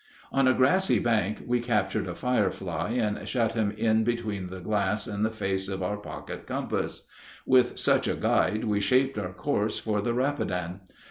On a grassy bank we captured a firefly and shut him in between the glass and the face of our pocket compass. With such a guide we shaped our course for the Rapidan.